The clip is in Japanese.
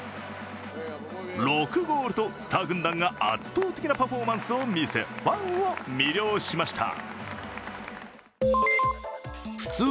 ６ゴールとスター軍団が圧倒的なパフォーマンスを見せファンを魅了しました。